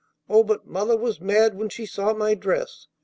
Oh, but Mother was mad when she saw my dress!